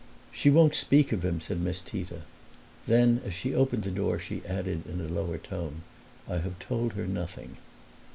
"She won't speak of him," said Miss Tita. Then as she opened the door she added in a lower tone, "I have told her nothing."